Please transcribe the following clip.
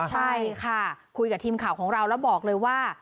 ใช่ค่ะคุยกับทีมข่าวของเราแล้วบอกเลยว่า